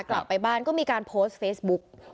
กลับไปบ้านก็มีการโพสต์เฟซบุ๊ก